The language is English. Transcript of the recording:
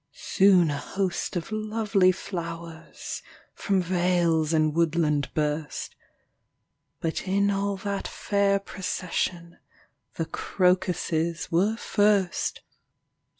Soon a host of lovely flowers From vales and woodland burst; But in all that fair procession The crocuses were first.